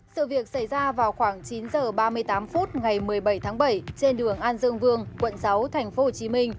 sự việc xảy ra vào khoảng chín h ba mươi tám phút ngày một mươi bảy tháng bảy trên đường an dương vương quận sáu tp hcm